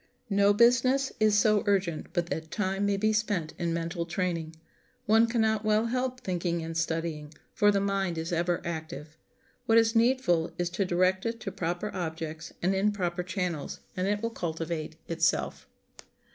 No business is so urgent but that time may be spent in mental training. One can not well help thinking and studying; for the mind is ever active. What is needful is to direct it to proper objects and in proper channels, and it will cultivate itself.